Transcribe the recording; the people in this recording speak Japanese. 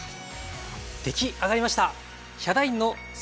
出来上がりました。